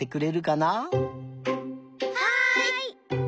はい！